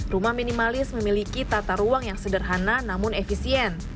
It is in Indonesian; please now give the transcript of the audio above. rumah minimalis memiliki tata ruang yang sederhana namun efisien